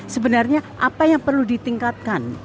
sebenarnya apa yang perlu ditingkatkan